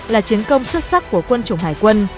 là chiến công xuất sắc của quân chủng hải quân